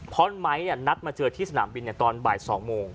เพราะไม้นัดมาเจอที่สนามบินในตอนบ่าย๒โมง